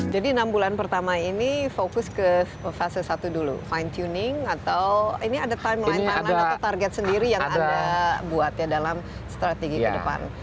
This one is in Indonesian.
jadi enam bulan pertama ini fokus ke fase satu dulu fine tuning atau ini ada timeline atau target sendiri yang anda buat dalam strategi ke depan